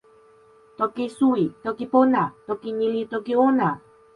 toki suwi. toki pona. toki ni li toki ona.